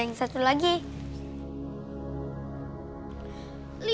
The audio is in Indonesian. ya aku ngerti